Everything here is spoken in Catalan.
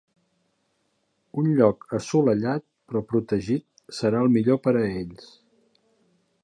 Un lloc assolellat però protegit serà el millor per a ells.